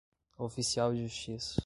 oficial de justiça